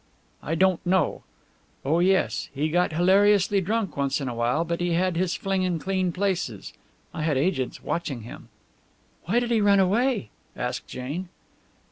I don't know. Oh, yes, he got hilariously drunk once in a while, but he had his fling in clean places. I had agents watching him." "Why did he run away?" asked Jane.